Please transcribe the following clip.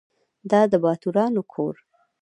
دا د باتورانو کور .